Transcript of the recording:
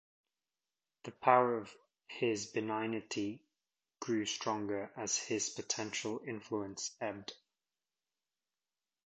The power of his benignity grew stronger as his potential influence ebbed.